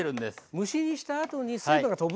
蒸し煮したあとに水分がとぶんでね